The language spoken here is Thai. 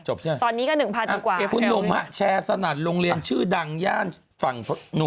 จบใช่ไหมจบใช่ไหมคุณหนุ่มครับแชร์สนัดโรงเรียนชื่อดังย่านฝั่งทน